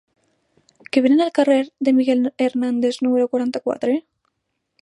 Què venen al carrer de Miguel Hernández número quaranta-quatre?